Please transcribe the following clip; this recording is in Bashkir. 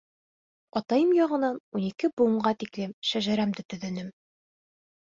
— Атайым яғынан ун ике быуынға тиклем шәжәрәмде төҙөнөм.